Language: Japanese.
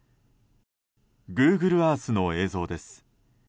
グーグルアースの映像です。